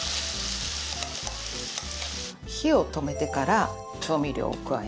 火を止めてから調味料を加えます。